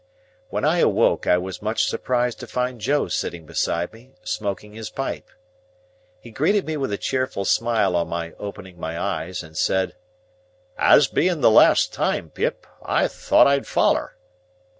When I awoke, I was much surprised to find Joe sitting beside me, smoking his pipe. He greeted me with a cheerful smile on my opening my eyes, and said,— "As being the last time, Pip, I thought I'd foller."